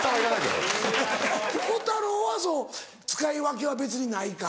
ピコ太郎はそう使い分けは別にないか。